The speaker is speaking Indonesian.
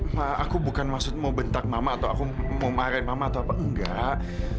ma aku bukan maksud mau bentak mama atau mau marahin mama atau apa enggak